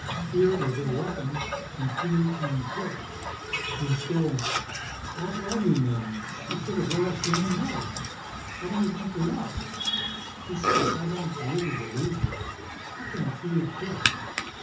Fear is their weapon and fear can kill!" "You still all you men should have let us women know! What do you think we are? Besides, I don't really believe you. How can fear kill?"